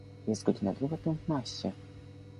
Jest godzina druga piętnaście.